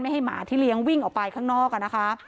ไม่ให้หมาที่เลี้ยงวิ่งออกไปข้างนอก